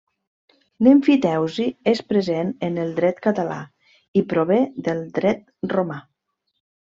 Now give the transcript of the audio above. L'emfiteusi és present en el Dret català, i prové del Dret romà.